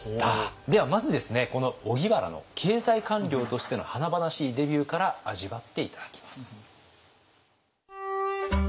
ではまずですねこの荻原の経済官僚としての華々しいデビューから味わって頂きます。